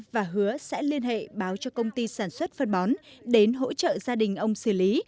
và hứa sẽ liên hệ báo cho công ty sản xuất phân bón đến hỗ trợ gia đình ông xử lý